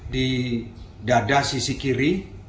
di dada sisi kiri